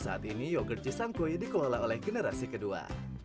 saat ini yogurt cisangkwei dikelola oleh generasi kedua